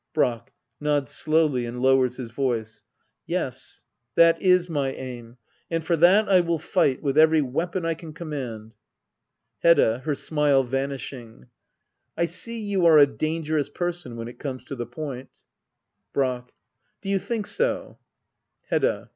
Brack. [Nods slowly and lowers his voiced] Yes, that is my aim. And for that I will fight — with every weapon I can command. Hedda. [Her smile vanishing,] I see you are a dangerous person — when it comes to the point. Brack. Do you think so ? Hedda.